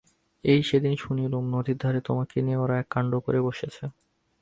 এই সেদিন শুনলুম নদীর ধারে তোমাকে নিয়ে ওরা এক কাণ্ড করে বসেছে!